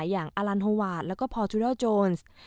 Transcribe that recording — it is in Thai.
อย่างอลันโฮวาสแล้วก็พอจูดอลโจรส์